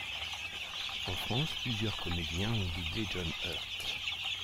En France, plusieurs comédiens ont doublé John Hurt.